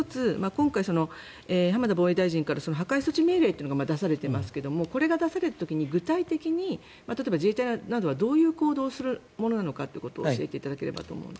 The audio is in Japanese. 今回、浜田防衛大臣から破壊措置命令というのが出されていますがこれが出された時に具体的に例えば自衛隊などはどういう行動をするものなのかということを教えていただければと思います。